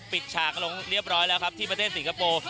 ฉากลงเรียบร้อยแล้วครับที่ประเทศสิงคโปร์